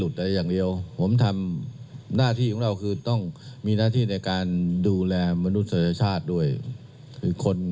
สงสารก็ไม่รัก